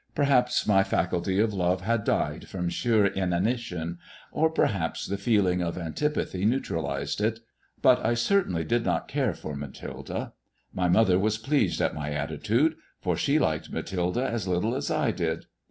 Perhaps my faculty of love had died from sheer inanition ; or, perhaps, the feeling of antipathy neutralized it ; but I certainly did not care for Mathilde. My mother was pleased at my attitude, for she liked Mathilde as little as I did.